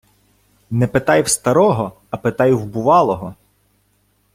Не питай в старого, а питай в бувалого.